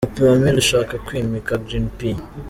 Papa Emile ushaka kwimika Green P.